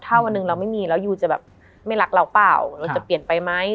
ถ้าวันหนึ่งเราไม่มีแล้วยูจะแบบไม่รักเราเปล่าเราจะเปลี่ยนไปไหม